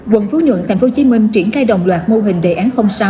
quận phú nhuận tp hcm triển khai đồng loạt mô hình đề án sáu